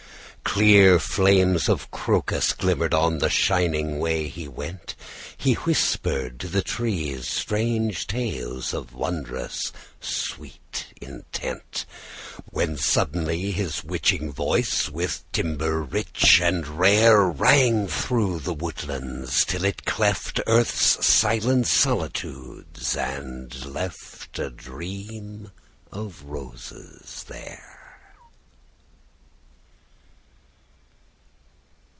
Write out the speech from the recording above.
Clear flames of Crocus glimmered on The shining way he went. He whispered to the trees strange tales Of wondrous sweet intent, When, suddenly, his witching voice With timbre rich and rare, Rang through the woodlands till it cleft Earth's silent solitudes, and left A Dream of Roses there!